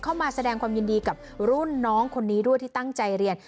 เข้ามาแสดงความยินดีกับรุ่นน้องคนนี้ด้วยที่ตั้งใจเรียน